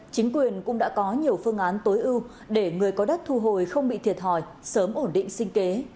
chính quyền cũng đã có nhiều phương án tối ưu để người có đất thu hồi không bị thiệt hỏi sớm ổn định sinh kế